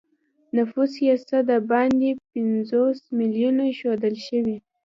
نفوس یې څه د باندې پنځوس میلیونه ښودل شوی.